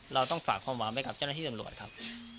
เราต้องฝากความหวังไว้กับเจ้าหน้าที่ตำรวจครับ